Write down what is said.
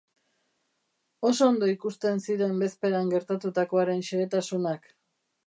Oso ondo ikusten ziren bezperan gertatukoaren xehetasunak.